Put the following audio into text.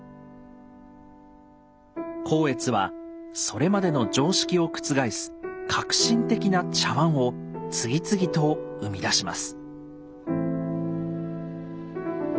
光悦はそれまでの常識を覆す革新的な茶碗を次々と生み出します。